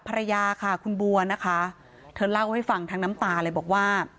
ภรรยาค่ะคุณบัวนะคะเธอเล่าให้ฟังทั้งน้ำตาเลยบอกว่า